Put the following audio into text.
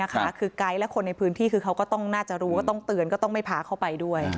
คือไกด์และคนในพื้นที่คือเขาก็ต้องน่าจะรู้ก็ต้องเตือนก็ต้องไม่พาเขาไปด้วย